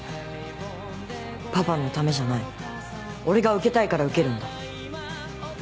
パパのためじゃない俺が受けたいから受けるんだ。